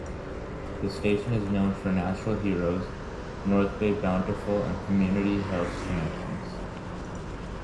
The station is known for Natural Heroes, North Bay Bountiful and Community Health Connections.